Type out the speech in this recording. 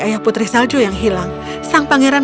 ayah putri salju yang hilang sang pangeran